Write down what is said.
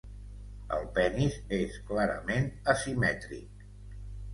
El penis és clarament asimètric.